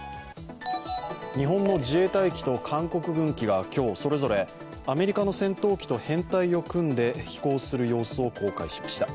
日本の自衛隊機と韓国軍機が今日それぞれアメリカの戦闘機と編隊を組んで飛行する様子を公開しました。